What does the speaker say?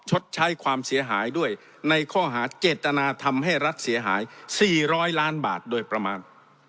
ชดใช้ความเสียหายด้วยในข้อหาเจตนาทำให้รัฐเสียหาย๔๐๐ล้านบาทโดยประมาณ